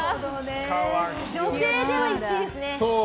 女性では１位ですね。